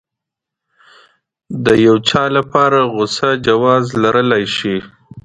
د يو چا لپاره غوسه جواز لرلی شي.